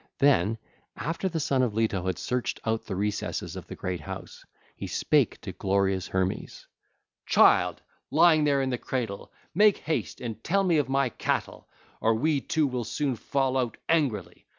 Then, after the Son of Leto had searched out the recesses of the great house, he spake to glorious Hermes: (ll. 254 259) 'Child, lying in the cradle, make haste and tell me of my cattle, or we two will soon fall out angrily.